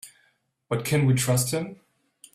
But can we trust him?